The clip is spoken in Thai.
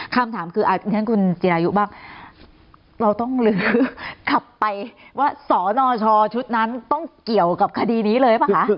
คำถามคืออาทิตย์ท่านคุณจินายุบ้างเราต้องหลือขับไปว่าสรนชชุดนั้นต้องเกี่ยวกับคดีนี้เลยป่ะคะ